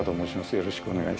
よろしくお願いします。